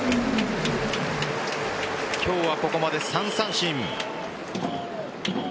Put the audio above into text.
今日はここまで３三振。